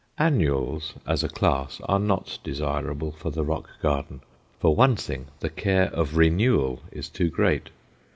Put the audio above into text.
Annuals as a class are not desirable for the rock garden; for one thing, the care of renewal is too great.